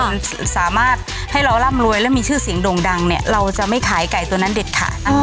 มันสามารถให้เราร่ำรวยและมีชื่อเสียงโด่งดังเนี่ยเราจะไม่ขายไก่ตัวนั้นเด็ดขาด